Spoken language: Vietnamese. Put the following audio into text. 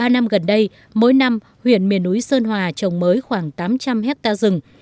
ba năm gần đây mỗi năm huyện miền núi sơn hòa trồng mới khoảng tám trăm linh hectare rừng